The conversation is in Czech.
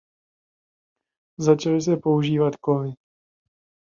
Začaly se používat kovy.